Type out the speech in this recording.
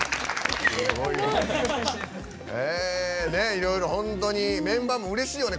いろいろメンバーもうれしいよね